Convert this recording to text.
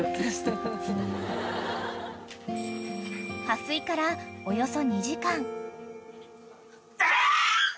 ［破水からおよそ２時間］